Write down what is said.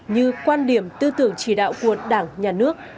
như quan điểm tư tưởng chỉ đạo của đảng nhà nước